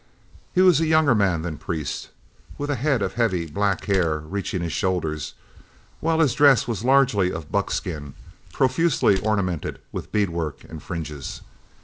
He was a younger man than Priest, with a head of heavy black hair reaching his shoulders, while his dress was largely of buckskin, profusely ornamented with beadwork and fringes.